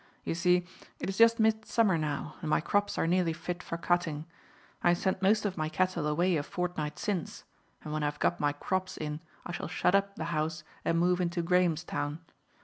You see, it is just midsummer now, and my crops are nearly fit for cutting. I sent most of my cattle away a fortnight since, and when I have got my crops in I shall shut up the house and move into Grahamstown.